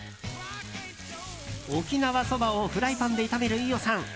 沖縄そばをフライパンで炒める飯尾さん。